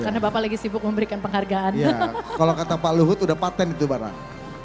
karena bapak lagi sibuk memberikan penghargaan kalau kata pak luhut udah patent itu barang